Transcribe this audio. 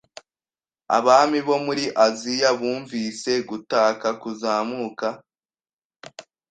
Abami bo muri Aziya bumvise gutaka kuzamuka